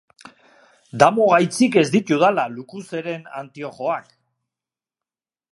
Damu gaitzik ez ditudala Lukuzeren antiojoak!